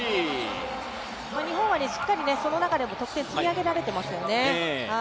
日本はしっかり、その中でも得点を積み上げられていますよね。